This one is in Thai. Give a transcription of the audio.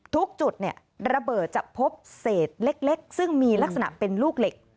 ทุกจุดระเบิดจะพบเศษเล็กซึ่งมีลักษณะเป็นลูกเหล็ก